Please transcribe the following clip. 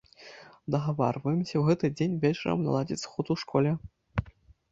Дагаварваемся ў гэты дзень вечарам наладзіць сход у школе.